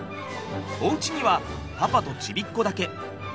おうちにはパパとちびっこだけ。